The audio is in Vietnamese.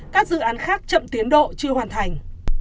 các dự án khác chậm tiến độ chưa hoàn thành